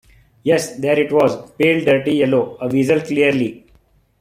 Yes, there it was — pale dirty yellow, a weasel clearly.